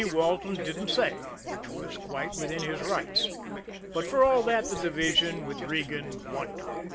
Walton didn't say which was quite within his rights. But for all that, the division, with Regan, wondered.